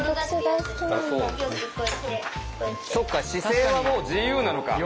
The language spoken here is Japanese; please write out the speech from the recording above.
そっか姿勢はもう自由なのか。